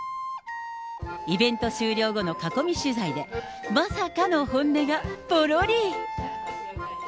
イベント終了後の囲み取材で、まさかの本音がぽろり。